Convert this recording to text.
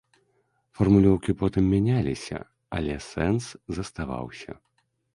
Фармулёўкі потым мяняліся, але сэнс заставаўся.